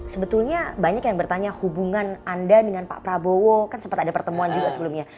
sebetulnya banyak yang bertanya hubungan anda dengan pak prabowo kan sempat ada pertemuan juga sebelumnya